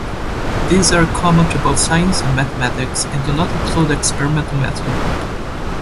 These are common to both science and mathematics, and do not include experimental method.